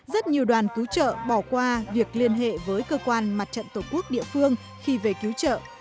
rất nhiều đoàn cứu trợ bỏ qua việc liên hệ với cơ quan mặt trận tổ quốc địa phương khi về cứu trợ